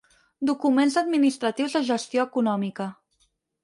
Documents administratius de gestió econòmica.